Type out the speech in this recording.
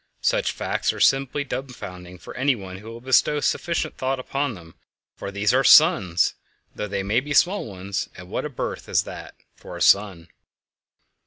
Such facts are simply dumbfounding for anyone who will bestow sufficient thought upon them, for these are suns, though they may be small ones; and what a birth is that for a sun!